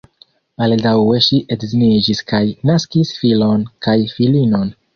Baldaŭe ŝi edziniĝis kaj naskis filon kaj filinon.